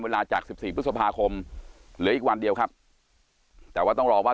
จาก๑๔พฤษภาคมเหลืออีกวันเดียวครับแต่ว่าต้องรอว่า